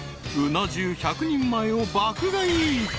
鰻重１００人前を爆買い］